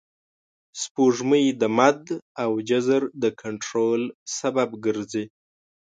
سپوږمۍ د مد او جزر د کنټرول سبب ګرځي